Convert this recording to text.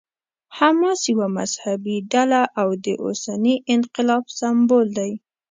حماس یوه مذهبي ډله او د اوسني انقلاب سمبول دی.